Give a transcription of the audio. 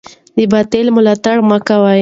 د باطل ملاتړ مه کوئ.